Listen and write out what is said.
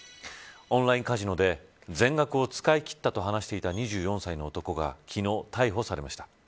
オンラインカジノで全額を使い切ったと話していた２４歳の男が昨日、逮捕されました。